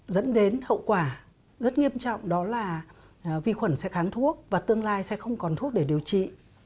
dẫn đến hậu quả rất nghiêm trọng đó là vi khuẩn sẽ kháng thuốc và tương lai sẽ không còn thuốc để điều trị